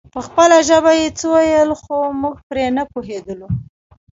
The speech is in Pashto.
په خپله ژبه يې څه ويل خو موږ پرې نه پوهېدلو.